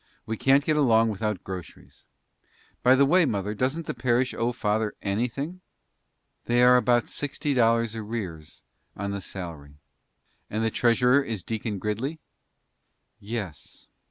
We can't get along without groceries. By the way, mother, doesn't the parish owe father anything?" "They are about sixty dollars in arrears on the salary." "And the treasurer is Deacon Gridley?" "Yes."